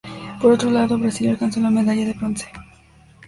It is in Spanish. Por otro lado, Brasil alcanzó la medalla de bronce.